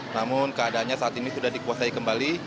namun keadaannya saat ini sudah dikuasai kembali